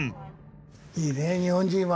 いいね日本人は。